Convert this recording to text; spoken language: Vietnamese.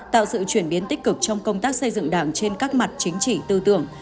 tạo sự chuyển biến tích cực trong công tác xây dựng đảng trên các mặt chính trị tư tưởng